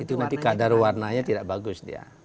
itu nanti kadar warnanya tidak bagus dia